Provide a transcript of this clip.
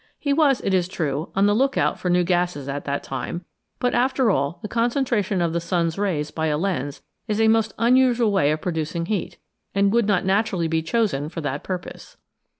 He was, it is true, on the look out for new gases at that time, but, after all, the concentration of the sun's rays by a lens is a most unusual way of producing heat, and would not naturally be chosen for that purpose.